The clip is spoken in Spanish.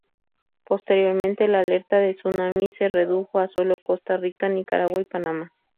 Posteriormente, la alerta de tsunami se redujo a solo Costa Rica, Nicaragua y Panamá.